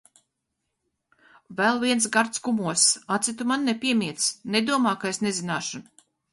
Vēl viens gards kumoss! Aci tu man nepiemiedz! Nedomā, ka es nezināšu.